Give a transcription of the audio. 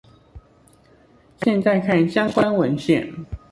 現在看相關文獻